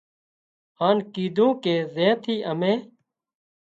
هانَ ڪيڌون ڪي زين ٿي امين